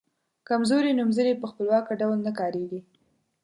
کمزوري نومځري په خپلواکه ډول نه کاریږي.